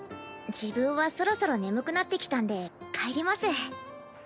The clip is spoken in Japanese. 自分はそろそろ眠くなってきたんで帰ります。